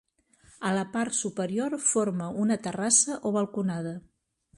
A la part superior forma una terrassa o balconada.